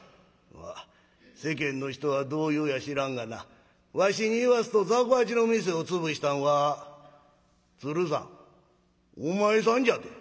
「まあ世間の人はどう言うや知らんがなわしに言わすと雑穀八の店を潰したんは鶴さんお前さんじゃて」。